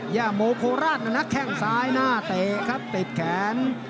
ย่าโมโคราชนะครับแข้งสายหน้าเตะครับเตะแขน